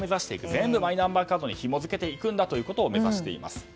全部マイナンバーカードにひもづけていくんだということを目指しています。